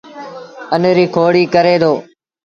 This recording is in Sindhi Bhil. اَن ريٚ کوڙيٚ ڪري دو